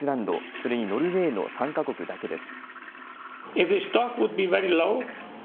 それにノルウェーの３か国だけです。